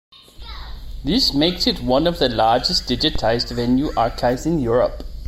This makes it one of the largest digitised venue archives in Europe.